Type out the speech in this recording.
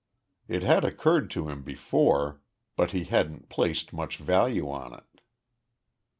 It had occurred to him before, but he hadn't placed much value on it....